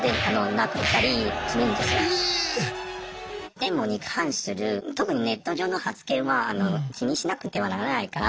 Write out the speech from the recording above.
デモに関する特にネット上の発言はあの気にしなくてはならないから。